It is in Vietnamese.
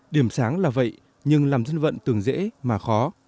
điểm sáng là vậy nhưng làm dân vận từng dễ mà khó